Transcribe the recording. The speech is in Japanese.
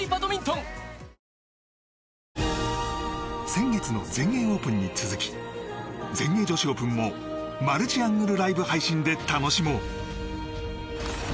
先月の全英オープンに続き全英女子オープンもマルチアングルライブ配信で楽しもう！